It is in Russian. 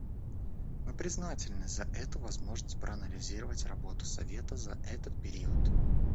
Мы признательны за эту возможность проанализировать работу Совета за этот период.